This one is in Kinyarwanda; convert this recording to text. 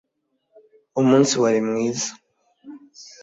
Umunsi wari mwiza